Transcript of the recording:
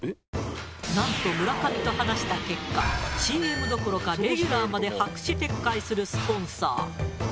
なんと村上と話した結果ＣＭどころかレギュラーまで白紙撤回するスポンサー。